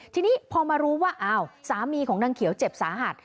ทีนี้พอมารู้ว่าอ้าวสามีของนางเขียวเจ็บสาหัส